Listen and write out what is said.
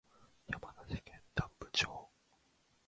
山梨県南部町